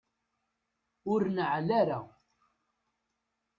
Ur neɛɛel ara.